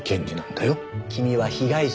君は被害者。